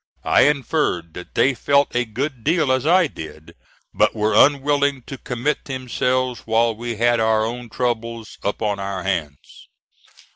I inferred that they felt a good deal as I did, but were unwilling to commit themselves while we had our own troubles upon our hands.